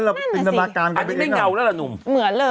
อันนี้ไม่เงาแล้วล่ะหนุ่ม